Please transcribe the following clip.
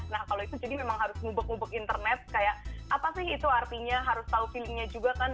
nah kalau itu jadi memang harus ngubek ngubek internet kayak apa sih itu artinya harus tahu feelingnya juga kan